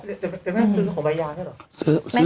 แต่มันซื้อของใบยาใช่หรอ